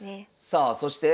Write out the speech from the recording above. さあそして